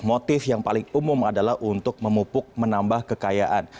motif yang paling umum adalah untuk memupuk menambah kekayaan